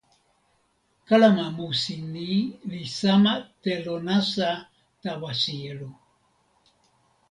kalama musi ni li sama telo nasa tawa sijelo.